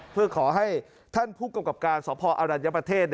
เพื่อขอให้ท่านผู้กำกับการสพอรัญญประเทศ